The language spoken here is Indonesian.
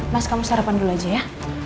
mas kamu sarapan dulu aja ya